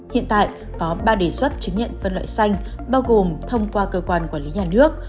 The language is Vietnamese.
hiện tại có ba đề xuất chứng nhận phân loại xanh bao gồm thông qua cơ quan quản lý nhà nước